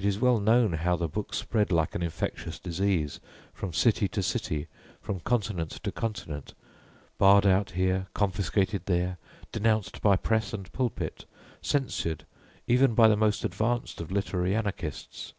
It is well known how the book spread like an infectious disease, from city to city, from continent to continent, barred out here, confiscated there, denounced by Press and pulpit, censured even by the most advanced of literary anarchists.